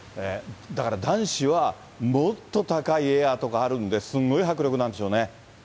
だから男子はもっと高いエアとかあるんで、すごい迫力なんでしょうね。